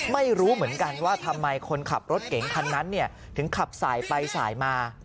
ไม่รู้เหมือนกันว่าทำไมคนขับรถเก๋งคันนั้นถึงขับสายไปสายมา